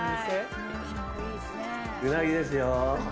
うなぎですよ。